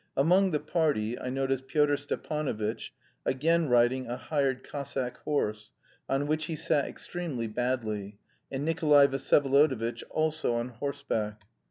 Among the party I noticed Pyotr Stepanovitch, again riding a hired Cossack horse, on which he sat extremely badly, and Nikolay Vsyevolodovitch, also on horseback.